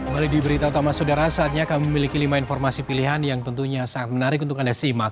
balik di berita utama saudara saatnya kami memiliki lima informasi pilihan yang tentunya sangat menarik untuk anda simak